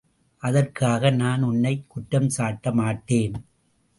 அதற்காக நான் உன்னைக் குற்றம் சாட்டமாட்டேன்.